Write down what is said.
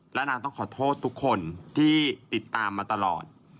และนางต้องขอโทษทุกคนที่ติดตามมาตลอด